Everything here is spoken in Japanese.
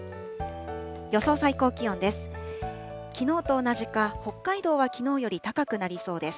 予想最高気温です。